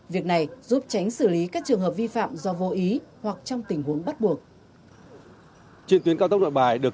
việc này giúp tránh xử lý các trường hợp vi phạm do vô ý hoặc trong tình huống bắt buộc